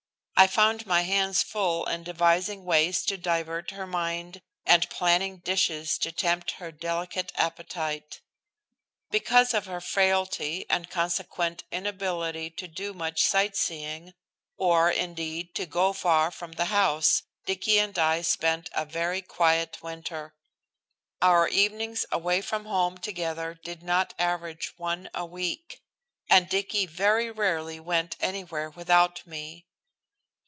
I found my hands full in devising ways to divert her mind and planning dishes to tempt her delicate appetite. Because of her frailty and consequent inability to do much sightseeing, or, indeed, to go far from the house, Dicky and I spent a very quiet winter. Our evenings away from home together did not average one a week. And Dicky very rarely went anywhere without me.